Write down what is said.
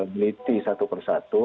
meliti satu persatu